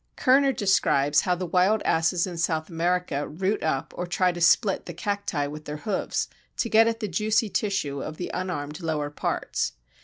Kerner describes how the wild asses in South America root up or try to split the Cacti with their hoofs to get at the juicy tissue of the unarmed lower parts.